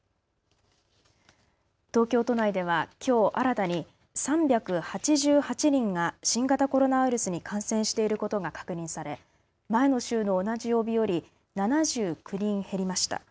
東京都内では、きょう新たに３８８人が新型コロナウイルスに感染していることが確認され前の週の同じ曜日より７９人減りました。